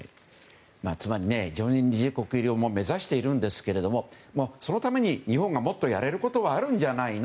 つまり常任理事国入りを目指しているんですけれどもそのために日本がもっとやれることはあるんじゃないの？